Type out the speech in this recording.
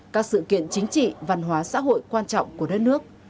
các sự kiện chính trị văn hóa xã hội quan trọng của đất nước